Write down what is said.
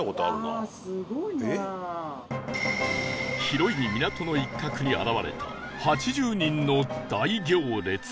広い港の一角に現れた８０人の大行列